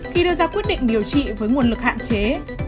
khi đưa ra quyết định điều trị với nguồn lực hạn chế